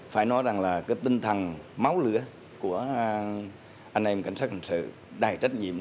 phải nói rằng là cái tinh thần máu lửa của anh em cảnh sát hình sự đầy trách nhiệm